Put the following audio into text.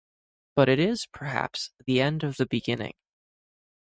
But it is, perhaps, the end of the beginning.